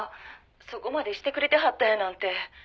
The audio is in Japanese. そこまでしてくれてはったやなんて」